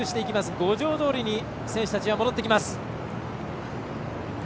五条通に選手たちは戻ってきました。